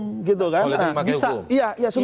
politik yang memakai hukum